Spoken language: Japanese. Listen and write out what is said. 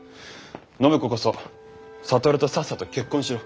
暢子こそ智とさっさと結婚しろ。